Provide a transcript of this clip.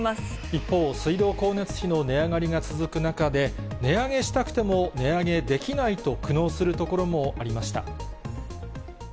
一方、水道光熱費の値上がりが続く中で、値上げしたくても値上げできないと苦悩するところもありました。